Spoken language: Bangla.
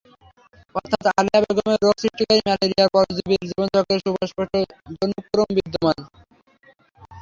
অর্থাৎ আলেয়া বেগমের রোগ সৃষ্টিকারী ম্যালেরিয়ার পরজীবীর জীবনচক্রে সুস্পষ্ট জনুক্রম বিদ্যমান।